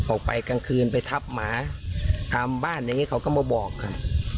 ออกไปกลางคืนไปทับหมาตามบ้านอย่างนี้เขาก็มาบอกค่ะ